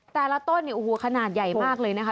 แต่ละต้นเนี่ยโอ้โหขนาดใหญ่มากเลยนะคะ